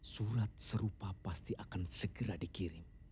surat serupa pasti akan segera dikirim